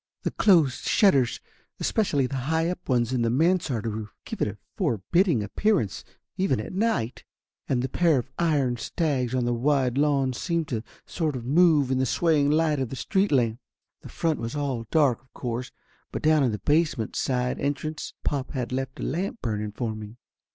The closed shutters, especially the high up ones in the mansard roof, give it a forbidding appear ance, even at night, and the pair of iron stags on the wide lawn seemed sort of to move in the swaying light of the street lamp. The front was all dark of course, but down in the basement side entrance pop had left a lamp burning for me.